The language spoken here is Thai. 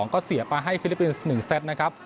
ก็เสียไปให้ฟิลิปปินส์๑เซตนะครับ